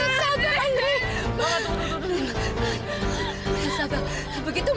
sini kita lagi tuh